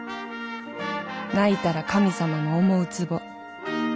泣いたら神様の思うつぼ。